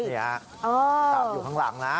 ตามอยู่ข้างหลังนะ